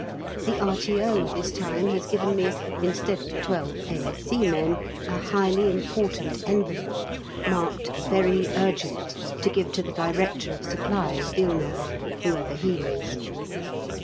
The R.T.O. this time has given me (instead of 12 A.S.C. men) a highly important envelope marked Very Urgent, to give to the Director of Supplies, Villeneuve, whoever he is.